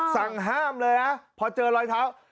สั่งห้ามเลยนะพอเจอรอยเท้า